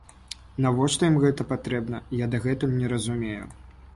Навошта ім гэта патрэбна, я дагэтуль не разумею.